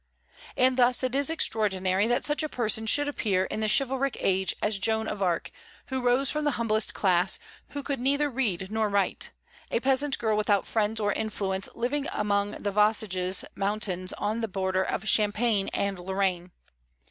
And thus it is extraordinary that such a person should appear in that chivalric age as Joan of Arc, who rose from the humblest class, who could neither read nor write, a peasant girl without friends or influence, living among the Vosges mountains on the borders of Champagne and Lorraine.